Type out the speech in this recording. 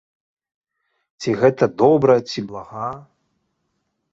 Ці гэта добра, ці блага?